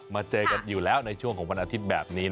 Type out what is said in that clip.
เจอกันอยู่แล้วในช่วงของวันอาทิตย์แบบนี้